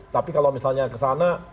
tapi kalau misalnya kesana